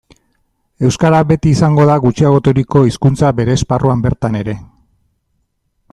Euskara beti izango da gutxiagoturiko hizkuntza bere esparruan bertan ere.